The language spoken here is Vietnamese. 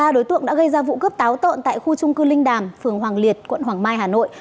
ba đối tượng đã gây ra vụ cướp táo tợn tại khu trung cư linh đàm phường hoàng liệt quận hoàng mai hà nội